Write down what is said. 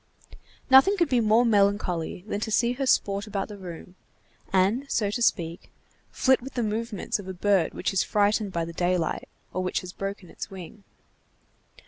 Nothing could be more melancholy than to see her sport about the room, and, so to speak, flit with the movements of a bird which is frightened by the daylight, or which has broken its wing.